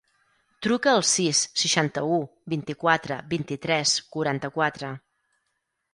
Truca al sis, seixanta-u, vint-i-quatre, vint-i-tres, quaranta-quatre.